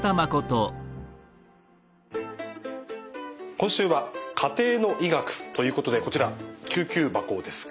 今週は「家庭の医学」ということでこちら救急箱ですか。